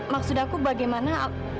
maksud aku bagaimana